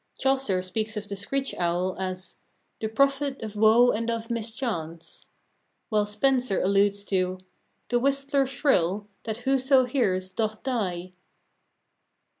Chaucer speaks of the screech owl as The prophet of woe and of mischance, while Spencer alludes to— The whistler shrill, that whoso hears doth die.